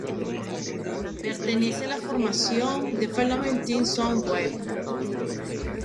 Pertenece a la formación Development Team Sunweb.